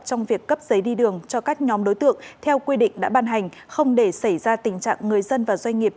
trong việc cấp giấy đi đường cho các nhóm đối tượng theo quy định đã ban hành không để xảy ra tình trạng người dân và doanh nghiệp